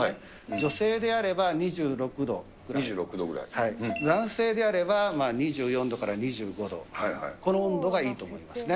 女性であれば、２６度ぐらい、男性であれば２４度から２５度、この温度がいいと思いますね。